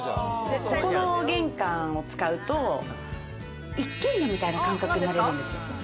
ここの玄関を使うと１軒家みたいな感覚になれるんですよ。